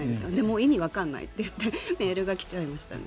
意味わからないといってメールが来ちゃいましたね。